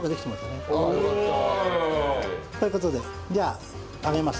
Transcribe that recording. おお！という事でじゃあ揚げます。